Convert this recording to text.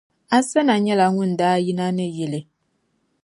Asana nyɛla ŋun daa yina ni yili.